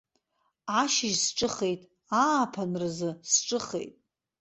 Ашьыжь сҿыхеит, ааԥынразы сҿыхеит.